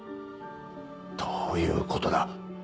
どういうことだ？